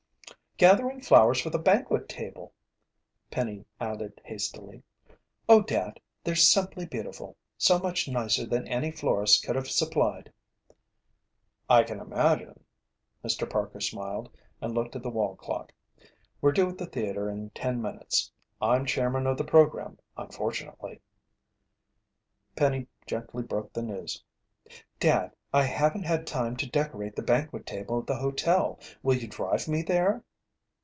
"Gathering flowers for the banquet table," Penny added hastily. "Oh, Dad, they're simply beautiful so much nicer than any florist could have supplied." "I can imagine." Mr. Parker smiled and looked at the wall clock. "We're due at the theater in ten minutes. I'm chairman of the program, unfortunately." Penny gently broke the news. "Dad, I haven't had time to decorate the banquet table at the hotel. Will you drive me there?"